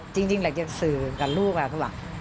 จริงแหละจะสื่อกับลูกคือว่า